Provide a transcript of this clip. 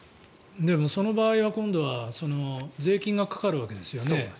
でもその場合は今度は税金がかかるわけですよね。